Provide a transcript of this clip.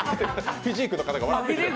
フィジークの方が待ってます。